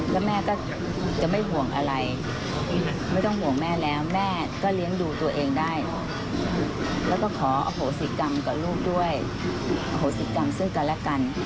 แล้วแม่ก็จะไม่ห่วงอะไรไม่ต้องห่วงแม่แล้วแม่ก็เลี้ยงดูตัวเองได้แล้วก็ขออโหสิกรรมกับลูกด้วยอโหสิกรรมซึ่งกันและกัน